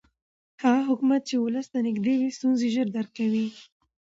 هغه حکومت چې ولس ته نږدې وي ستونزې ژر درک کوي